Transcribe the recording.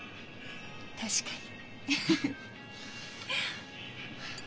確かに。